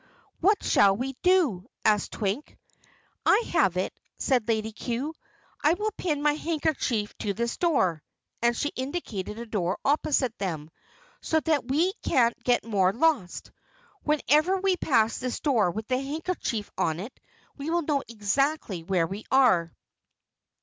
"What shall we do?" asked Twink. "I have it," said Lady Cue. "I will pin my handkerchief to this door," and she indicated a door opposite them, "so that we can't get more lost. Whenever we pass this door with the handkerchief on it, we will know exactly where we are."